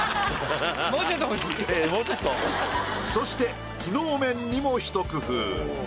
そして機能面にもひと工夫。